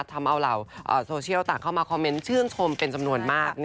ทำเอาเหล่าโซเชียลต่างเข้ามาคอมเมนต์ชื่นชมเป็นจำนวนมาก